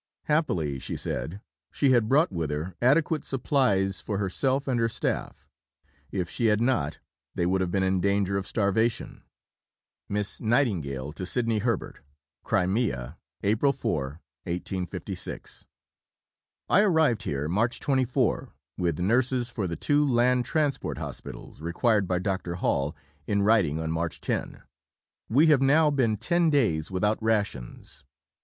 Happily, she said, she had brought with her adequate supplies for herself and her staff. If she had not, they would have been in danger of starvation: (Miss Nightingale to Sidney Herbert.) CRIMEA, April 4 . I arrived here March 24 with Nurses for the two Land Transport Hospitals required by Dr. Hall in writing on March 10. We have now been ten days without rations.